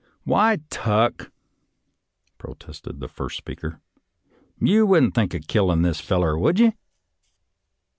"Why, Tuck," protested the first speaker, "you wouldn't think of killing this feller, would you.''